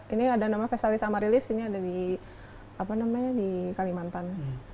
ini ada nama vestalis amaryllis ini ada di kalimantan